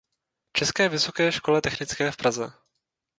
České vysoké škole technické v Praze.